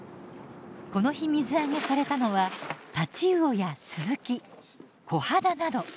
この日水揚げされたのはタチウオやスズキコハダなど。